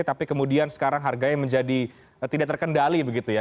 tapi kemudian sekarang harganya menjadi tidak terkendali begitu ya